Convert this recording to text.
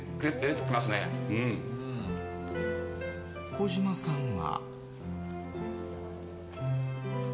小島さんは？